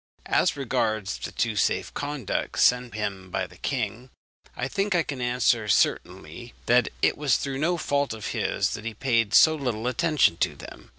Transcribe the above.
As regards the two safe conducts sent him by the king, I think I can answer certainly that it was through no fault of his that he paid so little attention to them.